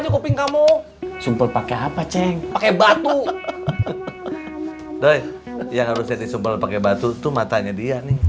kalau di sini